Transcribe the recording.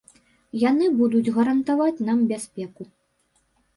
Яны будуць гарантаваць нам бяспеку.